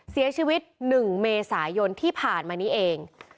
เสียชีวิต๑เมษายนที่ผ่านมานี้เอง